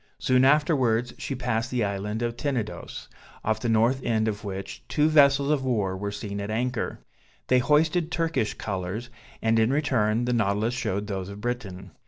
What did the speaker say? Soon afterwards she passed the island of Tenedos, off the north end of which, two vessels of war were seen at anchor; they hoisted Turkish colours, and in return the Nautilus showed those of Britain.